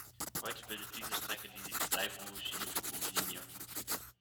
Heute bildet diese Strecke die Seibu Shinjuku-Linie.